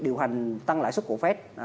điều hành tăng lãi xuất của fed